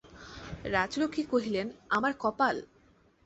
রাজলক্ষ্মী কহিলেন, আমার কপাল!